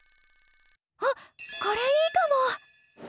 あっこれいいかも！